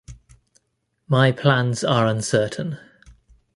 My plans are uncertain.